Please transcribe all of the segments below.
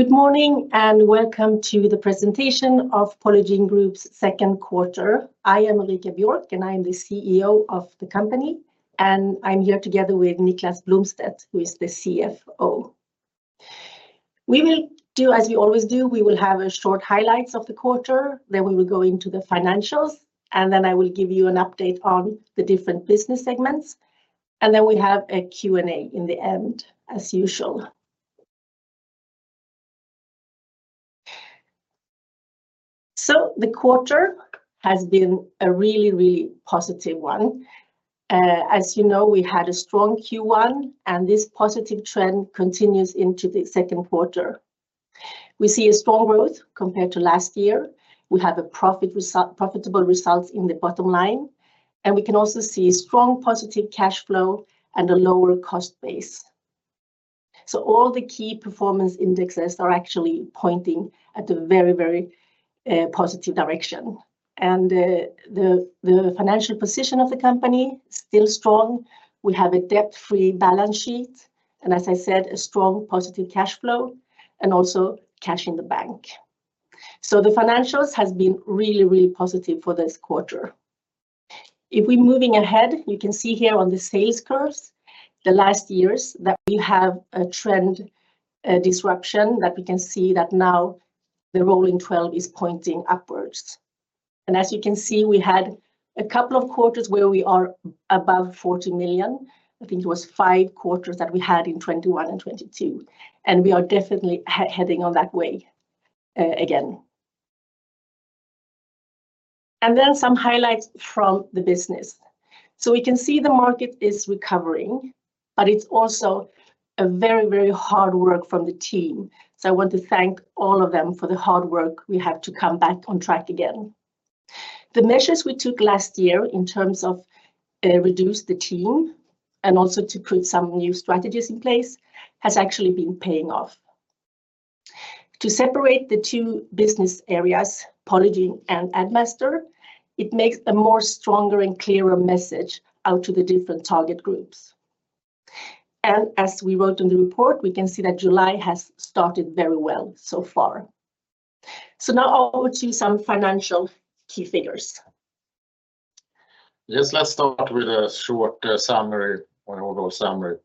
Good morning and welcome to the presentation of Polygiene Group's second quarter. I am Ulrika Björk, and I am the CEO of the company, and I'm here together with Niklas Blomstedt, who is the CFO. We will do, as we always do, we will have a short highlight of the quarter. Then we will go into the financials, and then I will give you an update on the different business segments. And then we have a Q&A in the end, as usual. So the quarter has been a really, really positive one. As you know, we had a strong Q1, and this positive trend continues into the second quarter. We see a strong growth compared to last year. We have profitable results in the bottom line, and we can also see strong positive cash flow and a lower cost base. So all the key performance indexes are actually pointing at a very, very positive direction. And the financial position of the company is still strong. We have a debt-free balance sheet, and as I said, a strong positive cash flow and also cash in the bank. So the financials have been really, really positive for this quarter. If we're moving ahead, you can see here on the sales curves the last years that we have a trend disruption that we can see that now the rolling 12 is pointing upwards. And as you can see, we had a couple of quarters where we are above 40 million. I think it was five quarters that we had in 2021 and 2022, and we are definitely heading on that way again. And then some highlights from the business. We can see the market is recovering, but it's also very, very hard work from the team. I want to thank all of them for the hard work. We have to come back on track again. The measures we took last year in terms of reducing the team and also to put some new strategies in place have actually been paying off. To separate the two business areas, Polygiene and Addmaster, it makes a more stronger and clearer message out to the different target groups. As we wrote in the report, we can see that July has started very well so far. Now over to some financial key figures. Yes, let's start with a short summary, overall summary.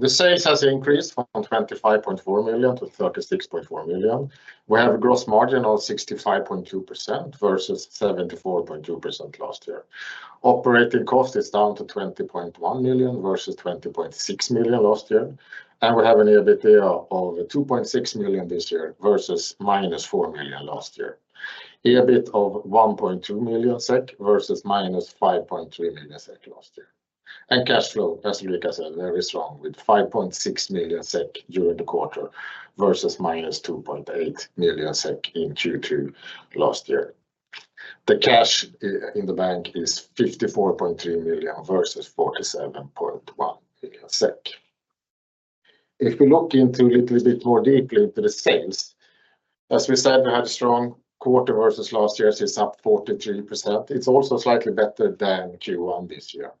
The sales have increased from 25.4 million to 36.4 million. We have a gross margin of 65.2% versus 74.2% last year. Operating cost is down to 20.1 million versus 20.6 million last year. And we have an EBITDA of 2.6 million this year versus -4 million last year. EBIT of 1.2 million SEK versus -5.3 million SEK last year. And cash flow, as Ulrika said, very strong with 5.6 million SEK during the quarter versus -2.8 million SEK in Q2 last year. The cash in the bank is 54.3 million versus 47.1 million SEK. If we look into a little bit more deeply into the sales, as we said, we had a strong quarter versus last year, it's up 43%. It's also slightly better than Q1 this year.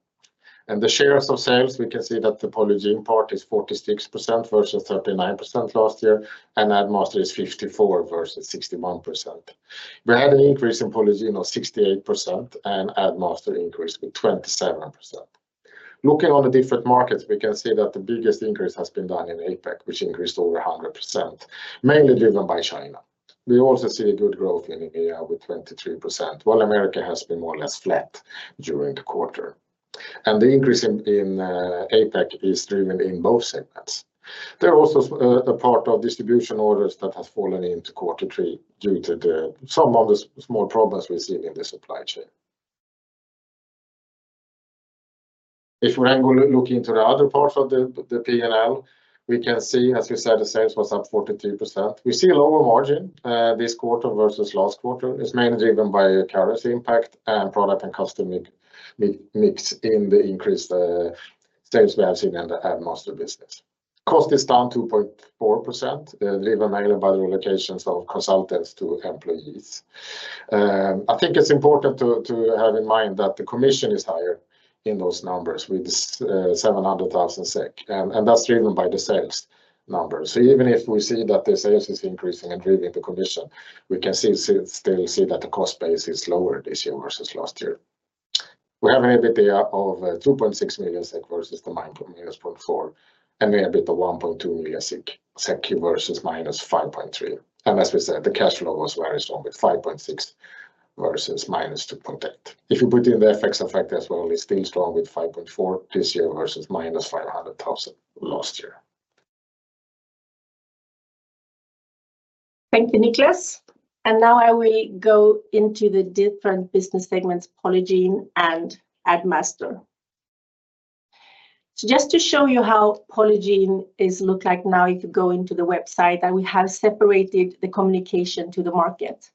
And the shares of sales, we can see that the Polygiene part is 46% versus 39% last year, and Addmaster is 54% versus 61%. We had an increase in Polygiene of 68%, and Addmaster increased with 27%. Looking on the different markets, we can see that the biggest increase has been done in APAC, which increased over 100%, mainly driven by China. We also see a good growth in India with 23%, while America has been more or less flat during the quarter. And the increase in APAC is driven in both segments. There are also a part of distribution orders that has fallen into quarter three due to some of the small problems we've seen in the supply chain. If we then look into the other parts of the P&L, we can see, as we said, the sales was up 42%. We see a lower margin this quarter versus last quarter. It's mainly driven by currency impact and product and customer mix in the increased sales we have seen in the Addmaster business. Cost is down 2.4%, driven mainly by the relocations of consultants to employees. I think it's important to have in mind that the commission is higher in those numbers with 700,000 SEK, and that's driven by the sales numbers. So even if we see that the sales is increasing and driving the commission, we can still see that the cost base is lower this year versus last year. We have an EBITDA of 2.6 million SEK versus the -0.4, and an EBIT of 1.2 million SEK versus -5.3. And as we said, the cash flow was very strong with 5.6 versus -2.8. If you put in the FX effect as well, it's still strong with 5.4 this year versus -500,000 last year. Thank you, Niklas. Now I will go into the different business segments, Polygiene and Addmaster. Just to show you how Polygiene looks like now, if you go into the website, we have separated the communication to the market.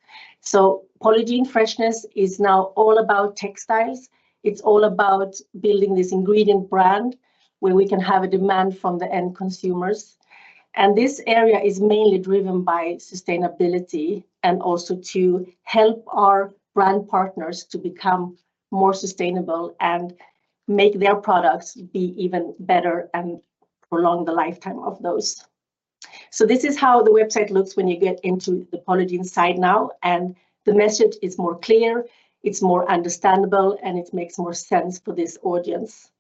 Polygiene Freshness is now all about textiles. It's all about building this ingredient brand where we can have a demand from the end consumers. This area is mainly driven by sustainability and also to help our brand partners to become more sustainable and make their products be even better and prolong the lifetime of those. This is how the website looks when you get into the Polygiene side now, and the message is more clear, it's more understandable, and it makes more sense for this audience.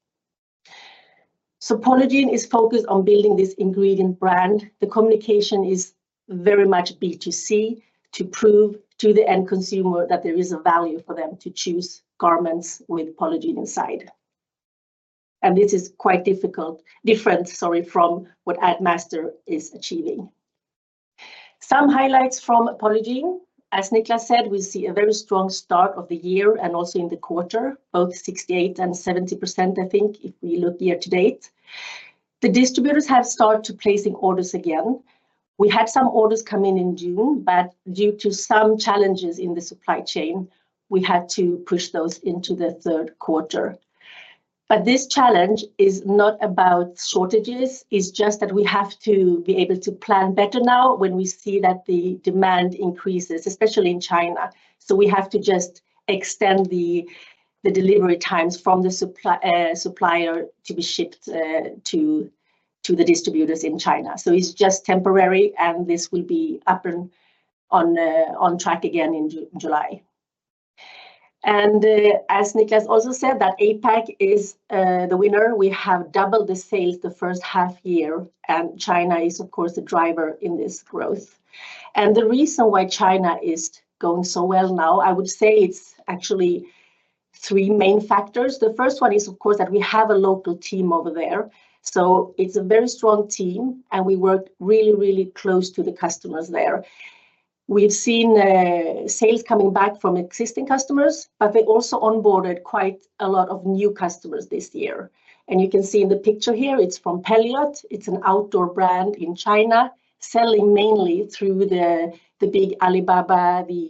Polygiene is focused on building this ingredient brand. The communication is very much B2C to prove to the end consumer that there is a value for them to choose garments with Polygiene inside. This is quite different, sorry, from what Addmaster is achieving. Some highlights from Polygiene. As Niklas said, we see a very strong start of the year and also in the quarter, both 68% and 70%, I think, if we look year to date. The distributors have started placing orders again. We had some orders come in in June, but due to some challenges in the supply chain, we had to push those into the third quarter. But this challenge is not about shortages. It's just that we have to be able to plan better now when we see that the demand increases, especially in China. So we have to just extend the delivery times from the supplier to be shipped to the distributors in China. So it's just temporary, and this will be up and on track again in July. And as Niklas also said, that APAC is the winner. We have doubled the sales the first half year, and China is, of course, the driver in this growth. And the reason why China is going so well now, I would say it's actually three main factors. The first one is, of course, that we have a local team over there. So it's a very strong team, and we work really, really close to the customers there. We've seen sales coming back from existing customers, but they also onboarded quite a lot of new customers this year. And you can see in the picture here, it's from Pelliot. It's an outdoor brand in China selling mainly through the big Alibaba, the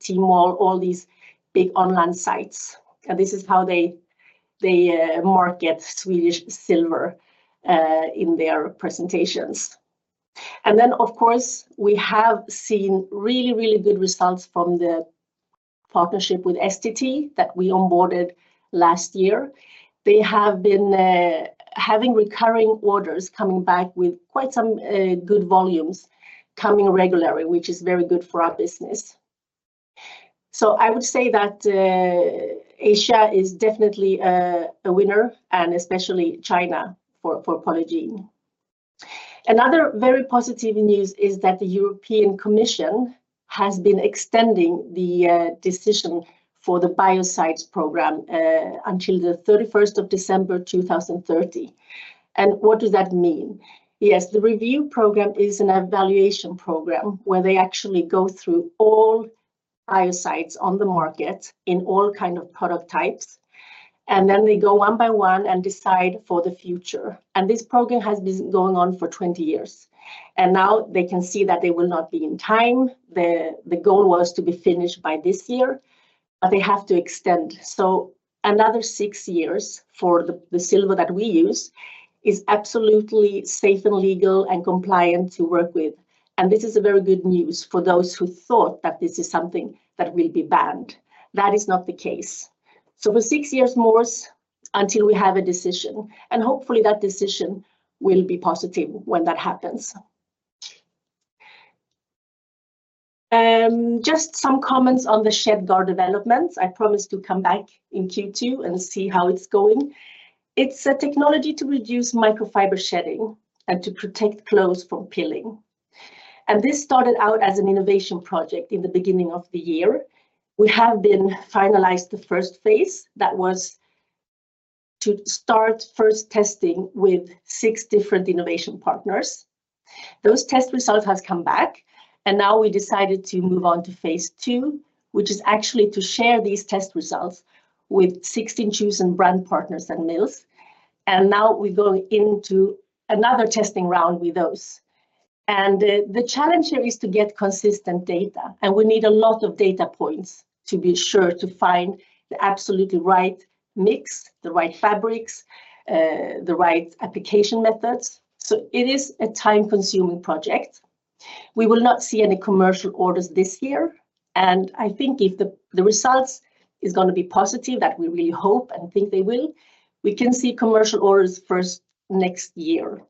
Tmall, all these big online sites. And then, of course, we have seen really, really good results from the partnership with STT that we onboarded last year. They have been having recurring orders coming back with quite some good volumes coming regularly, which is very good for our business. So I would say that Asia is definitely a winner, and especially China for Polygiene. Another very positive news is that the European Commission has been extending the decision for the biocides program until the 31st of December 2030. And what does that mean? Yes, the review program is an evaluation program where they actually go through all biocides on the market in all kinds of product types, and then they go one by one and decide for the future. This program has been going on for 20 years. Now they can see that they will not be in time. The goal was to be finished by this year, but they have to extend. So another six years for the silver that we use is absolutely safe and legal and compliant to work with. This is very good news for those who thought that this is something that will be banned. That is not the case. So for six years more, until we have a decision, and hopefully that decision will be positive when that happens. Just some comments on the ShedGuard development. I promised to come back in Q2 and see how it's going. It's a technology to reduce microfiber shedding and to protect clothes from pilling. This started out as an innovation project in the beginning of the year. We have finalized the first phase that was to start first testing with 6 different innovation partners. Those test results have come back, and now we decided to move on to phase two, which is actually to share these test results with 16 chosen brand partners and mills. And now we go into another testing round with those. And the challenge here is to get consistent data, and we need a lot of data points to be sure to find the absolutely right mix, the right fabrics, the right application methods. So it is a time-consuming project. We will not see any commercial orders this year. I think if the results are going to be positive, that we really hope and think they will, we can see commercial orders first next year.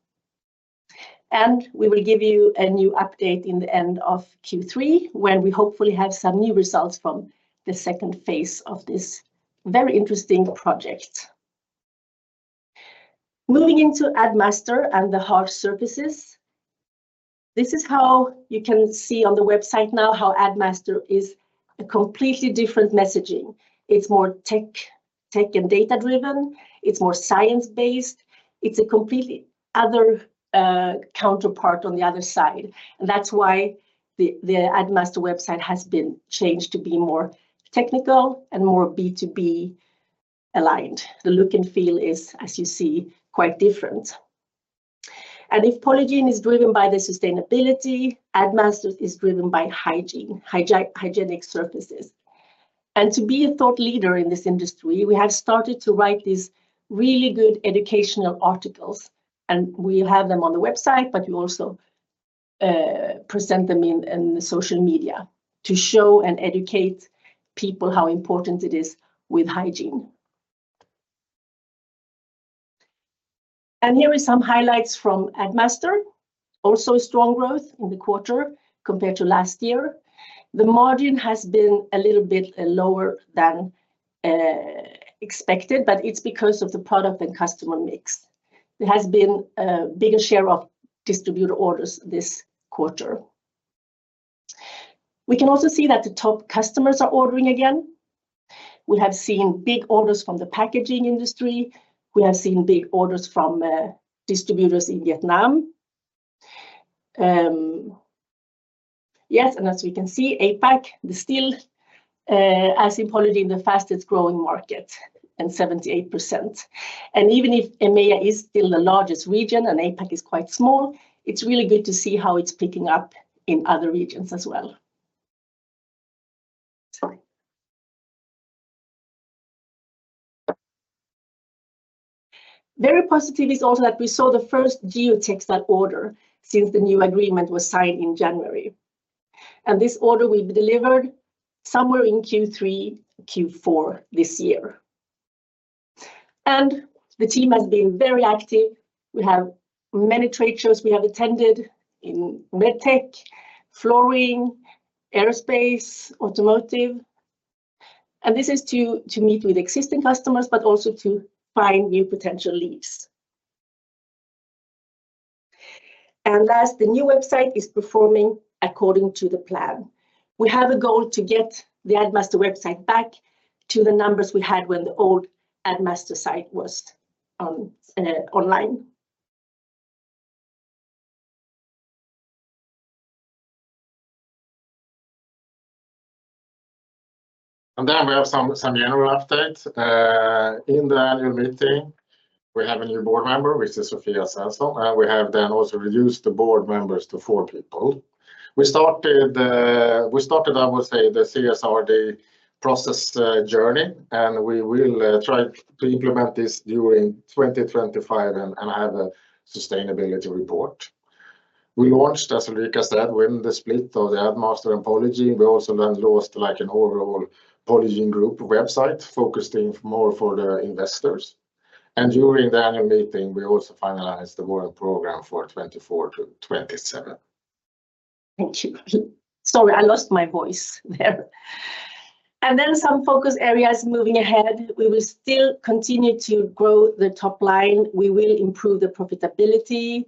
We will give you a new update in the end of Q3 when we hopefully have some new results from the second phase of this very interesting project. Moving into Addmaster and the hard surfaces, this is how you can see on the website now how Addmaster is a completely different messaging. It's more tech and data-driven. It's more science-based. It's a completely other counterpart on the other side. That's why the Addmaster website has been changed to be more technical and more B2B aligned. The look and feel is, as you see, quite different. If Polygiene is driven by the sustainability, Addmaster is driven by hygiene, hygienic surfaces. To be a thought leader in this industry, we have started to write these really good educational articles, and we have them on the website, but we also present them in social media to show and educate people how important it is with hygiene. Here are some highlights from Addmaster. Also strong growth in the quarter compared to last year. The margin has been a little bit lower than expected, but it's because of the product and customer mix. There has been a bigger share of distributor orders this quarter. We can also see that the top customers are ordering again. We have seen big orders from the packaging industry. We have seen big orders from distributors in Vietnam. Yes, and as we can see, APAC, the same as in Polygiene, the fastest growing market and 78%. Even if EMEA is still the largest region and APAC is quite small, it's really good to see how it's picking up in other regions as well. Very positive is also that we saw the first geotextile order since the new agreement was signed in January. This order will be delivered somewhere in Q3, Q4 this year. The team has been very active. We have many trade shows we have attended in medtech, flooring, aerospace, automotive. This is to meet with existing customers, but also to find new potential leads. Last, the new website is performing according to the plan. We have a goal to get the Addmaster website back to the numbers we had when the old Addmaster site was online. Then we have some general updates. In the annual meeting, we have a new board member, which is Sofia Sessel. We have then also reduced the board members to four people. We started, I would say, the CSRD process journey, and we will try to implement this during 2025 and have a sustainability report. We launched, as Ulrika said, within the split of the Addmaster and Polygiene. We also then launched an overall Polygiene group website focusing more for the investors. During the annual meeting, we also finalized the warrant program for 2024 to 2027. Thank you. Sorry, I lost my voice there. Some focus areas moving ahead. We will still continue to grow the top line. We will improve the profitability.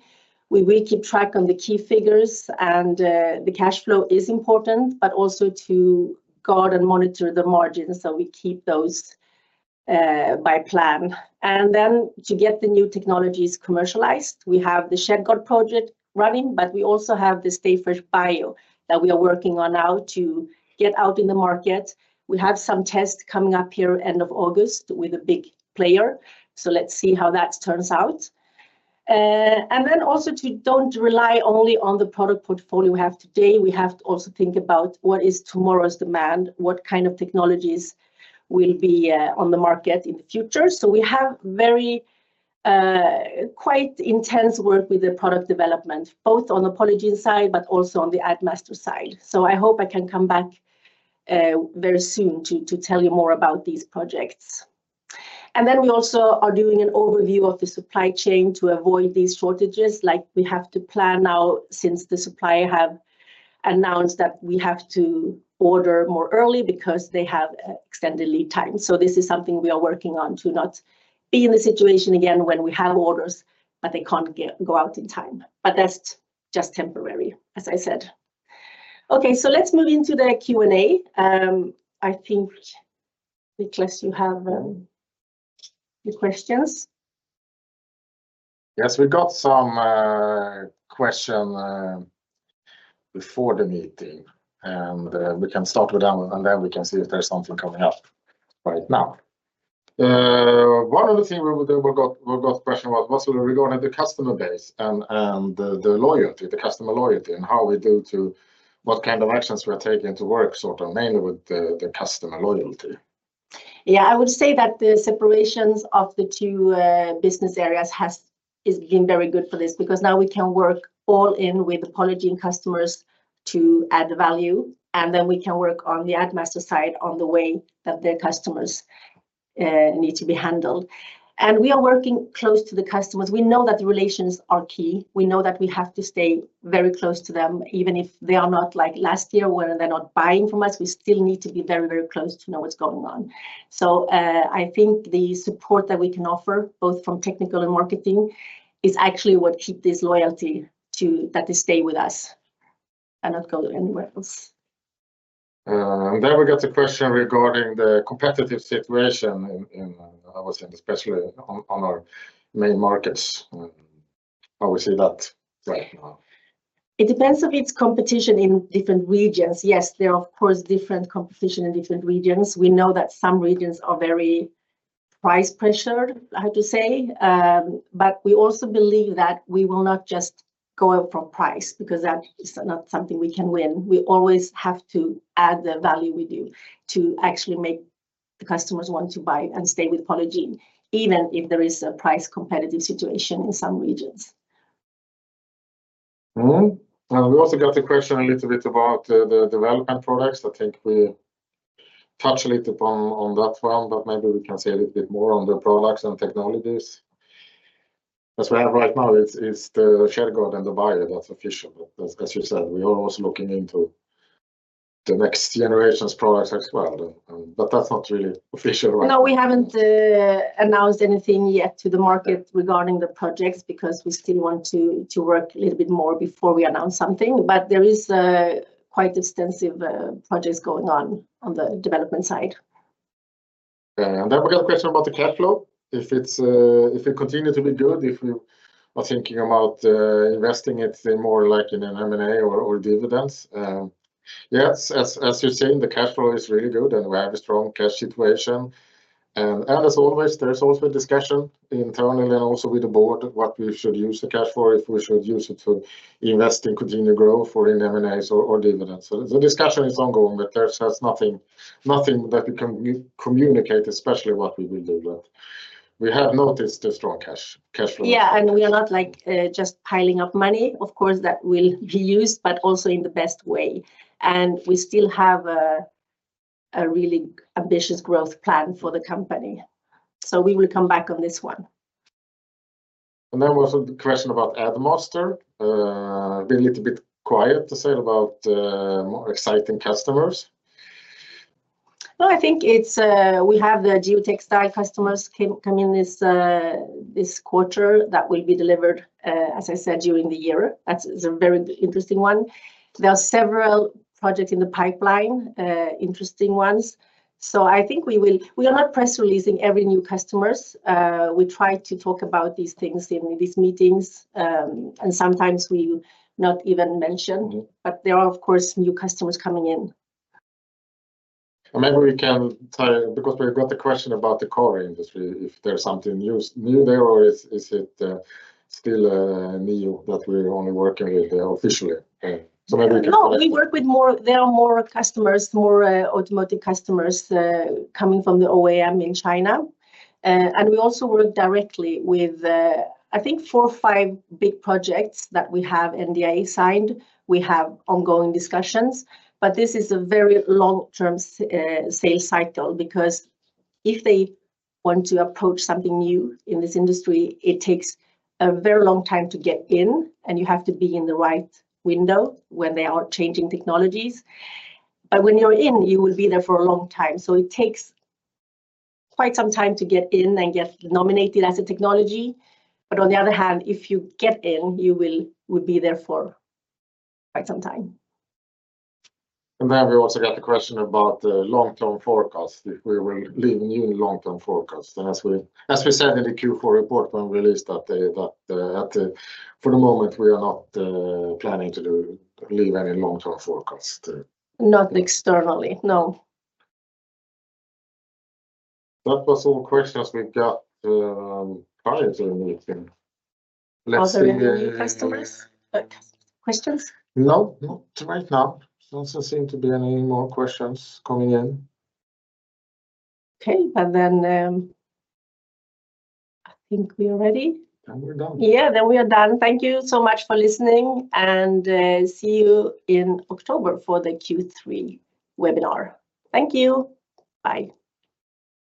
We will keep track on the key figures, and the cash flow is important, but also to guard and monitor the margins so we keep those by plan. To get the new technologies commercialized, we have the ShedGuard project running, but we also have the StayFresh Bio that we are working on now to get out in the market. We have some tests coming up here end of August with a big player. So let's see how that turns out. Also to don't rely only on the product portfolio we have today. We have to also think about what is tomorrow's demand, what kind of technologies will be on the market in the future. So we have quite intense work with the product development, both on the Polygiene side, but also on the Addmaster side. So I hope I can come back very soon to tell you more about these projects. And then we also are doing an overview of the supply chain to avoid these shortages. Like we have to plan now since the supplier has announced that we have to order more early because they have extended lead time. So this is something we are working on to not be in the situation again when we have orders, but they can't go out in time. But that's just temporary, as I said. Okay, so let's move into the Q&A. I think, Niklas, you have the questions. Yes, we got some questions before the meeting, and we can start with them, and then we can see if there's something coming up right now. One of the things we got questions was regarding the customer base and the loyalty, the customer loyalty, and how we do to what kind of actions we are taking to work sort of mainly with the customer loyalty. Yeah, I would say that the separations of the two business areas have been very good for this because now we can work all in with the Polygiene customers to add value, and then we can work on the Addmaster side on the way that their customers need to be handled. We are working close to the customers. We know that the relations are key. We know that we have to stay very close to them, even if they are not like last year when they're not buying from us. We still need to be very, very close to know what's going on. So I think the support that we can offer, both from technical and marketing, is actually what keeps this loyalty to that they stay with us and not go anywhere else. Then we got the question regarding the competitive situation, I would say, especially on our main markets. How we see that right now? It depends on its competition in different regions. Yes, there are of course different competitions in different regions. We know that some regions are very price pressured, I have to say. But we also believe that we will not just go up from price because that is not something we can win. We always have to add the value we do to actually make the customers want to buy and stay with Polygiene, even if there is a price competitive situation in some regions. We also got the question a little bit about the development products. I think we touched a little bit on that one, but maybe we can say a little bit more on the products and technologies. As we have right now, it's the ShedGuard and the bio. That's official. As you said, we are also looking into the next generation's products as well. But that's not really official right now. No, we haven't announced anything yet to the market regarding the projects because we still want to work a little bit more before we announce something. There are quite extensive projects going on the development side. Then we got a question about the cash flow. If it continues to be good, if we are thinking about investing it more like in an M&A or dividends. Yes, as you're saying, the cash flow is really good, and we have a strong cash situation. And as always, there's also a discussion internally and also with the board of what we should use the cash for, if we should use it to invest in continued growth or in M&As or dividends. The discussion is ongoing, but there's nothing that we can communicate, especially what we will do. But we have noticed the strong cash flow. Yeah, and we are not just piling up money, of course, that will be used, but also in the best way. We still have a really ambitious growth plan for the company. We will come back on this one. And then we also had the question about Addmaster. Been a little bit quiet, as I said, about more exciting customers. No, I think we have the geotextile customers come in this quarter that will be delivered, as I said, during the year. That's a very interesting one. There are several projects in the pipeline, interesting ones. So I think we are not press releasing every new customer. We try to talk about these things in these meetings, and sometimes we do not even mention. But there are, of course, new customers coming in. Maybe we can tell you because we got the question about the car industry, if there's something new there or is it still new that we're only working with officially? Maybe we can tell you. No, we work with more customers, more automotive customers coming from the OEM in China. We also work directly with, I think, four or five big projects that we have NDA signed. We have ongoing discussions, but this is a very long-term sales cycle because if they want to approach something new in this industry, it takes a very long time to get in, and you have to be in the right window when they are changing technologies. But when you're in, you will be there for a long time. It takes quite some time to get in and get nominated as a technology. But on the other hand, if you get in, you will be there for quite some time. Then we also got the question about the long-term forecast, if we will leave a new long-term forecast. As we said in the Q4 report when we released that, for the moment, we are not planning to leave any long-term forecast. Not externally, no. That was all questions we got prior to the meeting. Are there any customers' questions? No, not right now. Doesn't seem to be any more questions coming in. Okay, and then I think we are ready. We're done. Yeah, then we are done. Thank you so much for listening, and see you in October for the Q3 webinar. Thank you. Bye.